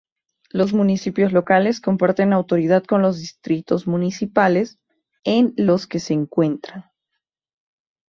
Los municipios locales comparten autoridad con los distritos municipales en los que se encuentran.